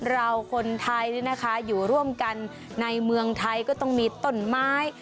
เราคนไทยอยู่ร่วมกันในเมืองไทยก็ต้องมีต้นไม้